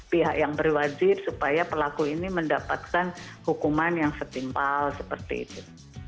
pihak yang berwajib supaya pelaku ini mendapatkan hukuman yang setimpal seperti itu